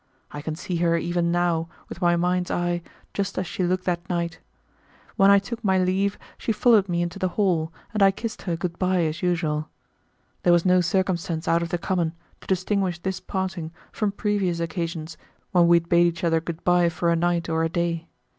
I can see her even now with my mind's eye just as she looked that night. When I took my leave she followed me into the hall and I kissed her good by as usual. There was no circumstance out of the common to distinguish this parting from previous occasions when we had bade each other good by for a night or a day.